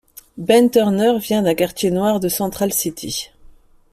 Ben Turner vient d'un quartier noir de Central City.